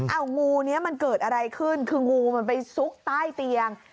เอางูนี้มันเกิดอะไรขึ้นคืองูมันไปซุกใต้เตียง